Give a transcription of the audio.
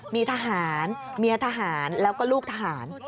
มีทหารเมียทหารแล้วก็ลูกทหาร